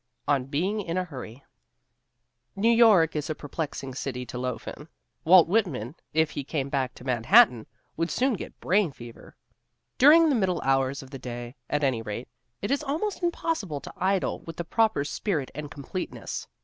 ON BEING IN A HURRY New York is a perplexing city to loaf in. (Walt Whitman if he came back to Mannahatta would soon get brain fever.) During the middle hours of the day, at any rate, it is almost impossible to idle with the proper spirit and completeness.